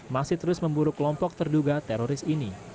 masih terus memburu kelompok terduga teroris ini